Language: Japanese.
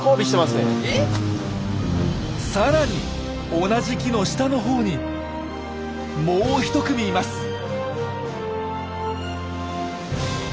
さらに同じ木の下のほうにもう１組います！